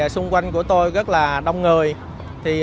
xung quanh của tôi rất là đông người